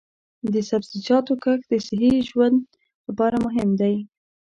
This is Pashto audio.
د سبزیجاتو کښت د صحي ژوند لپاره مهم دی.